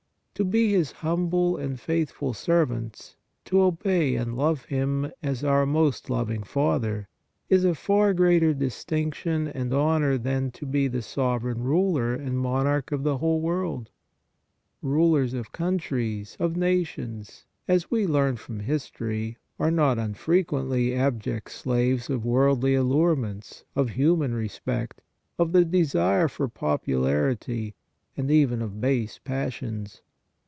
To be His humble and faithful servants, to obey and love Him as our most loving Father is a far greater distinction and honor than to be the sovereign ruler and monarch of the whole world. Rulers of countries, of nations, as we learn from history, are not un frequently abject slaves of worldly allurements, of human respect, of the desire for popularity and even of base passions.